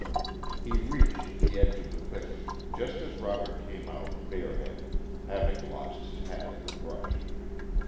He reached the edge of the thicket just as Robert came out bare headed, having lost his hat in the brush.